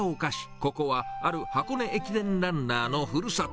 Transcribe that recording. ここはある箱根駅伝ランナーのふるさと。